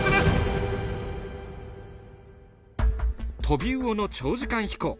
トビウオの長時間飛行。